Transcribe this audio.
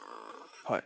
はい。